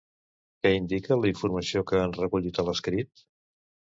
Què indica la informació que han recollit a l'escrit?